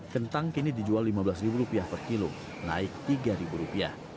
pada saat ini dijual lima belas ribu rupiah per kilo naik tiga ribu rupiah